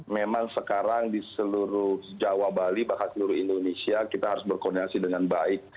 memang sekarang di seluruh jawa bali bahkan seluruh indonesia kita harus berkoordinasi dengan baik